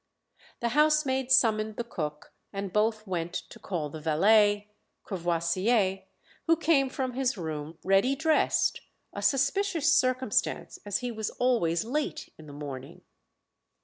The housemaid summoned the cook, and both went to call the valet, Courvoisier, who came from his room ready dressed, a suspicious circumstance, as he was always late in the morning.